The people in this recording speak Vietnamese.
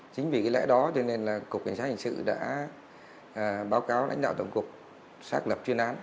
chính vì cái lẽ đó cho nên là cục cảnh sát hình sự đã báo cáo lãnh đạo tổng cục xác lập chuyên án